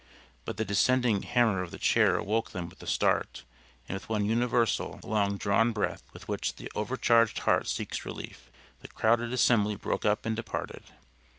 But the descending hammer of the chair awoke them with a start, and with one universal, long drawn, deep breath, with which the over charged heart seeks relief, the crowded assembly broke up and departed.